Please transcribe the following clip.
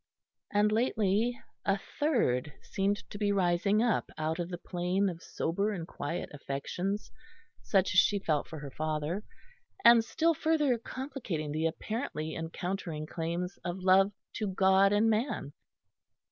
And lately a third seemed to be rising up out of the plane of sober and quiet affections such as she felt for her father, and still further complicating the apparently encountering claims of love to God and man.